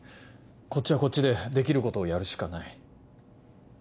こっちはこっちでできることをやるしかない。